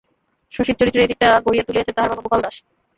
শশীর চরিত্রের এই দিকটা গড়িয়া তুলিয়াছে তাহার বাবা গোপাল দাস।